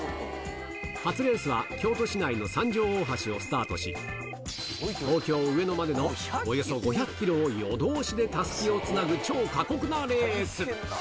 初レースは京都市内の三条大橋をスタートし、東京・上野までのおよそ５００キロを夜通しでたすきをつなぐ超過酷なレース。